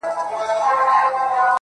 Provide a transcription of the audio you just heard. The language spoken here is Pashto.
داسي محراب غواړم، داسي محراب راکه.